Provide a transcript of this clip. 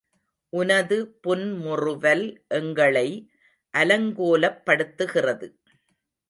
உனது புன்முறுவல் எங்களை அலங்கோலப்படுத்துகிறது.